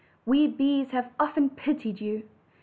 We bees have often pitied you.